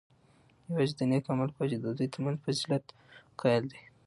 یواځی د نیک عمل په وجه د دوی ترمنځ فضیلت قایل دی،